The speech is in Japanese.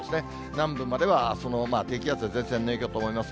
南部まではあすの低気圧や前線の影響だと思います。